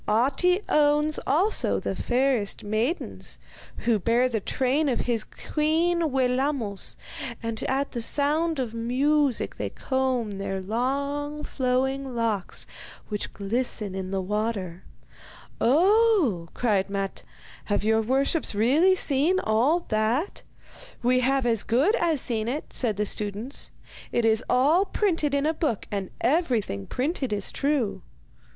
Ahti owns also the fairest maidens, who bear the train of his queen Wellamos, and at the sound of music they comb their long, flowing locks, which glisten in the water.' 'Oh!' cried Matte, 'have your worships really seen all that?' 'We have as good as seen it,' said the students. 'It is all printed in a book, and everything printed is true.